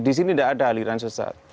di sini tidak ada aliran sesat